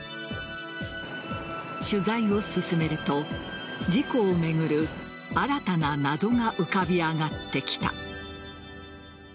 取材を進めると事故を巡る新たな謎が浮かび上がってきた。